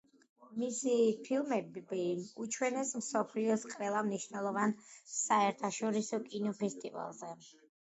მისი ფილმები უჩვენეს მსოფლიოს ყველა მნიშვნელოვან საერთაშორისო კინოფესტივალზე.